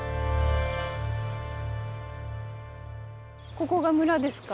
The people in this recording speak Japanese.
ここが村ですか？